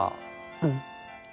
うん。